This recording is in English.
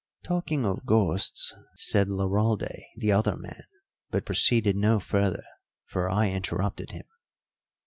"Talking of ghosts " said Laralde, the other man but proceeded no further, for I interrupted him.